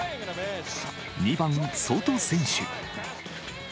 ２番ソト選手。